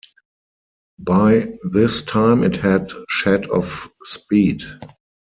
By this time it had shed of speed.